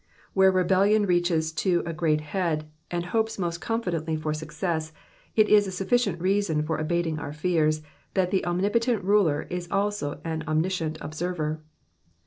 Where rebellion reaches to a great head, and hopes most confidently for success, it is a sufficient reason for abating our fears, that the Omnipotent ruler is also an Omniscient observer.